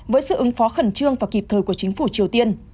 với sự ứng phó khẩn trương và kịp thời của chính phủ triều tiên